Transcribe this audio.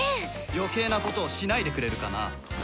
余計なことをしないでくれるかな。